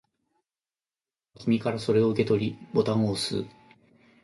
僕は君からそれを受け取り、ボタンを押す